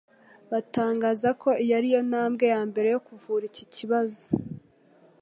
batangaza ko iyo ari intambwe ya mbere yo kuvura iki kibazo